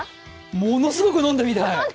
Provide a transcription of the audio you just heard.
ものすごく飲んでみたい！